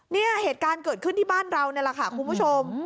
เนี่ยเหตุการณ์เกิดขึ้นที่บ้านเรานี่แหละค่ะคุณผู้ชม